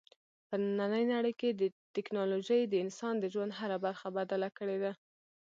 په نننۍ نړۍ کې ټیکنالوژي د انسان د ژوند هره برخه بدله کړې ده.